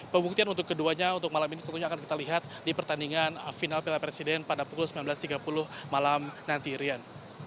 pembuktian untuk keduanya untuk malam ini tentunya akan kita lihat di pertandingan final piala presiden pada pukul sembilan belas tiga puluh malam nanti rian